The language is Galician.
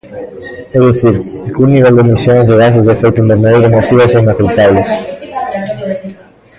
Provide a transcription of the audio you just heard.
É dicir, cun nivel de emisións de gases de efecto invernadoiro masivas e inaceptables.